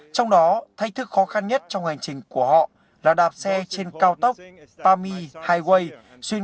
trong đó thách thức khó khăn nhất trong hành trình của họ là đạp xe trên cao tốc pami higuay